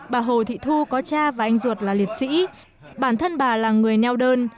bà hồ thị thu có cha và anh ruột là liệt sĩ bản thân bà là người neo đơn